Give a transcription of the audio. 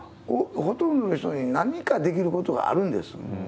ほとんどの人に何かできることがあるんです。